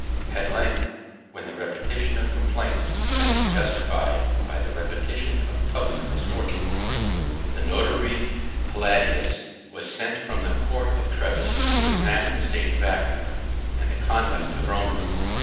At length, when the repetition of complaint had been justified by the repetition of public misfortunes, the notary Palladius was sent from the court of Treves, to examine the state of Africa, and the conduct of Romanus.